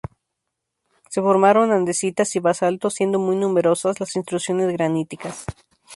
Se formaron andesitas y basaltos, siendo muy numerosas las intrusiones graníticas.